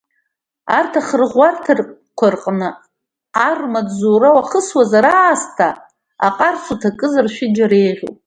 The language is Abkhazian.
Арҭ ахырӷәӷәарҭақәа рҟны ар рмаҵзура уахысуазар аасҭа, аҟарс уҭакызар шәыџьара еиӷьуп.